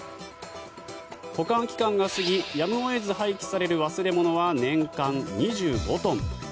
保管期間が過ぎやむを得ず廃棄される忘れ物は年間２５トン。